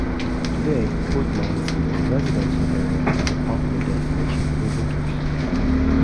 Today, Port Madison is a residential area and a popular destination for boaters.